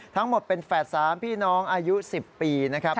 ทั้งหมดเป็นแฝด๓พี่น้องอายุ๑๐ปีนะครับ